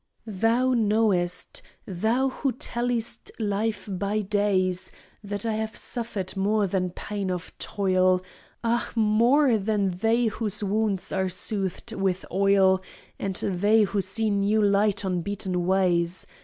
Thou knowest, thou who talliest life by days, That I have suffered more than pain of toil, Ah, more than they whose wounds are soothed with oil, And they who see new light on beaten ways!